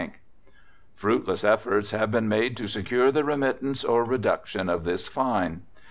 "Fruitless efforts have been made to secure the remittance or reduction of this fine.